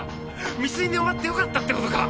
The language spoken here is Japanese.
未遂に終わってよかったってことか。